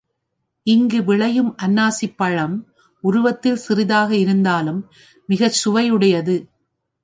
இங்கு விளையும் அன்னாசிப் பழம் உருவத்தில் சிறியதாக இருந்தாலும் மிக்க சுவையுடையது.